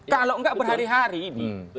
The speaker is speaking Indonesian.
kalau enggak berhari hari ini